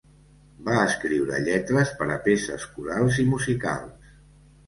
Va escriure lletres per a peces corals i musicals.